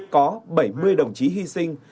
có bảy mươi đồng chí hy sinh